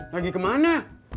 lagi ke mana